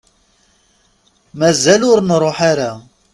Mazal ur nruḥ ara.